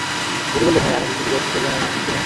যদি বলি হ্যাঁ, আমাকে কি জিজ্ঞাসা করবেন আমি নিশ্চিত কিনা?